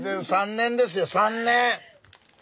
３年ですよ３年。